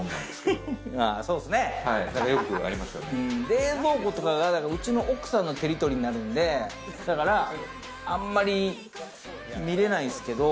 冷蔵庫とかはうちの奥さんのテリトリーになるんでだから、あんまり見れないんすけど。